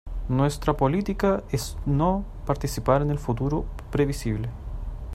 Nuestra política es no participar en el futuro previsible.